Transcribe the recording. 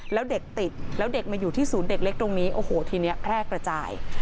แล้วเด็กติดแล้วเด็กมาอยู่ที่ศูนย์เด็กเล็กตรงนี้โอ้โหทีนี้แพร่กระจาย